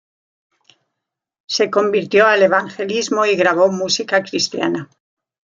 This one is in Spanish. Se convirtió al evangelismo y grabó música cristiana.